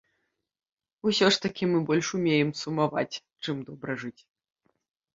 Усё ж такі мы больш умеем сумаваць, чым добра жыць.